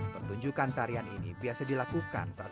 pertunjukan tarian ini biasa dilakukan saat